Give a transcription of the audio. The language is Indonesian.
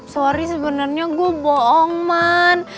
sorry sebenernya gue bohong man